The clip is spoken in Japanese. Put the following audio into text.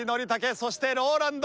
そしてＲＯＬＡＮＤ